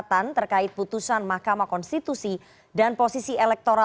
tim liputan cnn indonesia